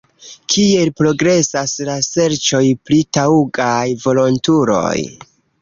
Kiel progresas la serĉoj pri taŭgaj volontuloj?